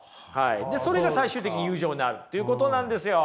でそれが最終的に友情になるっていうことなんですよ。